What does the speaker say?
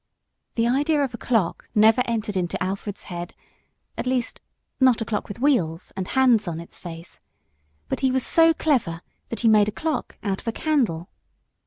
The idea of a clock never entered into Alfred's head, at least not a clock with wheels, and hands on its face, but he was so clever that he made a clock out of a candle.